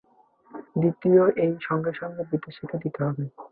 দ্বিতীয়, এই সঙ্গে সঙ্গে বিদ্যাশিক্ষা দিতে হবে।